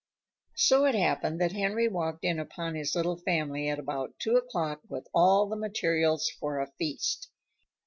So it happened that Henry walked in upon his little family at about two o'clock with all the materials for a feast.